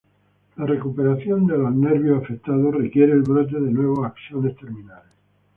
La recuperación de los nervios afectados requiere el brote de nuevos axones terminales.